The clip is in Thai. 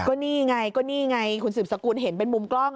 ก็นี่ไงก็นี่ไงคุณสืบสกุลเห็นเป็นมุมกล้อง